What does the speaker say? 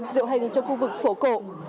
diễu hành trong khu vực phố cổ